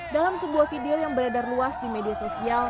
dalam sebuah video yang beredar luas di media sosial